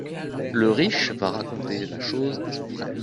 Le riche va raconter la chose à son frère.